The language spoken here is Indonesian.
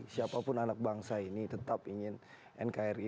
siapapun anak bangsa ini tetap ingin nkri ini akan bertahan